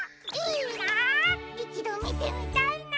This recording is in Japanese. いちどみてみたいな！